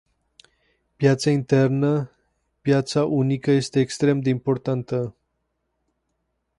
Piața internă, piața unică este extrem de importantă.